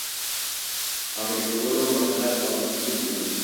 عملي کولو مکلف او مسوول وو.